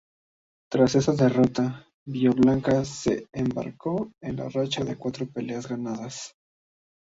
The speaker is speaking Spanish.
Tras esa derrota, Villablanca se embarcó en una racha de cuatro peleas ganadas.